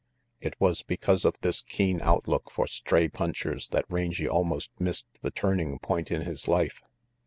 It was because of this keen outlook for stray punchers that Rangy almost missed the turning point in his life.